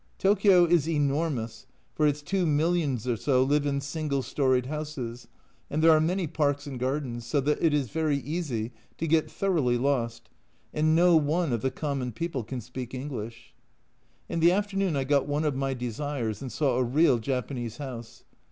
Tokio is enormous, for its two millions or so live in single storied houses, and there are many parks and gardens, so that it is very easy to get thoroughly lost, and no one of the common people can speak English. In the afternoon I got one of my desires, and saw a real Japanese house.